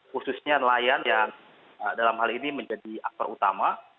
khususnya nelayan yang dalam hal ini menjadi aktor utama